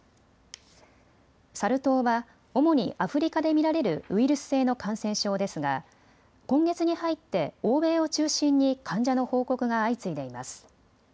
サル痘は主にアフリカで見られるウイルス性の感染症ですが今月に入って欧米を中心に患者の報告が相次いでいます。